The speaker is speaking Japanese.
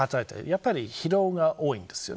やっぱり疲労が多いんです。